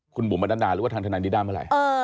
คุณบุ๋มมานัดดาหรือว่าทางทนายนิด้าเมื่อไหร่